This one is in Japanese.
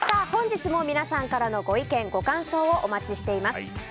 本日も皆さんからのご意見、ご感想をお待ちしております。